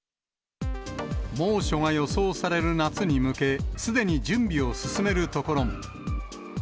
猛暑が予想される夏に向け、すでに準備を進めるところも。